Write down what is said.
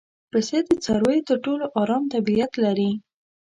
پسه د څارویو تر ټولو ارام طبیعت لري.